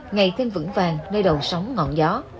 ngày thêm vững vàng nơi đầu sống ngọn gió